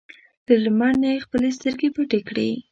له لمر نه یې خپلې سترګې پټې کړې.